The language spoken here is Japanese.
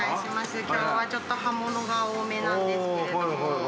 きょうはちょっと葉物が多めなんですけれども。